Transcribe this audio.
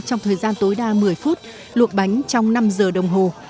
trong thời gian tối đa một mươi phút luộc bánh trong năm giờ đồng hồ